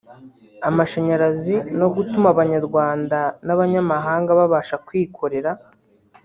amashanyarazi no gutuma abanyarwanda n’abanyamahanga babasha kwikorera